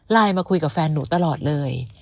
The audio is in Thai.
มาคุยกับแฟนหนูตลอดเลย